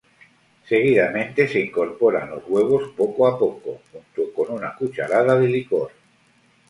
Seguidamente se incorporan los huevos poco a poco, junto con una cucharada de licor.